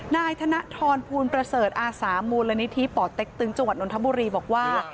นายธนทรภูลประเสริฐอาสามูลนิธิป่อเต็กตึงจังหวัดนทบุรีบอกว่า